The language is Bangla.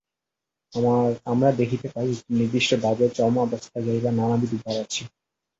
আমরা দেখিতে পাই, একটি নির্দিষ্ট ভাবের চরমাবস্থায় যাইবার নানাবিধ উপায় আছে।